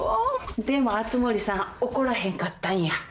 でも熱護さん怒らへんかったんや？